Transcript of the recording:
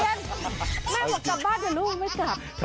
แม่อยากกลับบ้านอย่างนั้นลูกไม่จับ